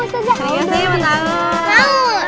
saya mau tau